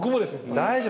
大丈夫。